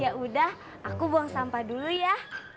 yaudah aku buang sampah dulu ya